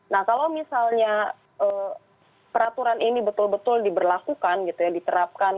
nah kalau misalnya peraturan ini betul betul diberlakukan gitu ya diterapkan